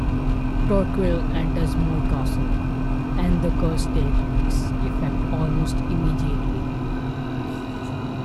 Torquil enters Moy Castle, and the curse takes effect almost immediately.